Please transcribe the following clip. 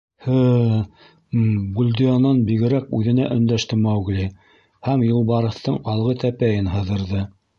— Һы-ым, — Бульдеонан бигерәк, үҙенә өндәште Маугли һәм юлбарыҫтың алғы тәпәйен һыҙырҙы.